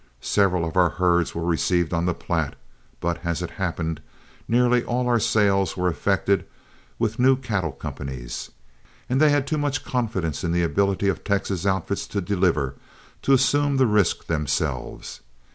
Several of our herds were received on the Platte, but, as it happened, nearly all our sales were effected with new cattle companies, and they had too much confidence in the ability of the Texas outfits to deliver to assume the risk themselves.